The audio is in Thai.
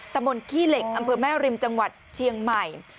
ตะมนต์ขี้เหล็กอำเภอแม่ริมจังหวัดเชียงใหม่